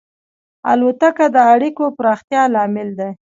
الوتکه د اړیکو پراختیا لامل ده.